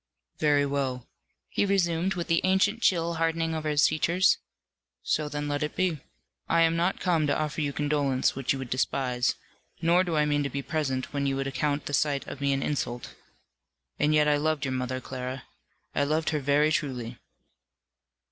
"Very well," he resumed, with the ancient chill hardening over his features; "so then let it be. I am not come to offer you condolence, which you would despise; nor do I mean to be present when you would account the sight of me an insult. And yet I loved your mother, Clara; I loved her very truly."